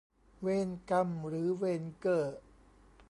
เวนกำหรือเวนเกอร์